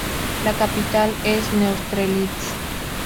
La capital es Neustrelitz.